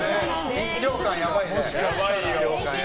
緊張感やばいね。